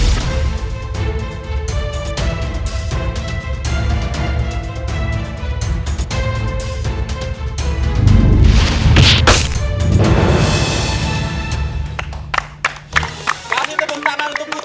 kami tepuk tangan untuk puter